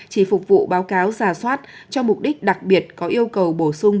chỉ phục vụ báo cáo giả soát cho mục đích đặc biệt có yêu cầu bổ sung